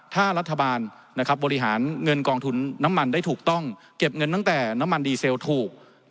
ถ้ารัฐบาลบริหารเงินกองทุนน้ำมันได้ถูกต้องเก็บเงินตั้งแต่น้ำมันดีเซลถูก